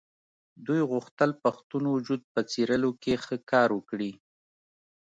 دوی غوښتل پښتون وجود په څېرلو کې ښه کار وکړي.